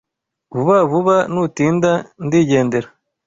Vuga vuba nutinda ndigendera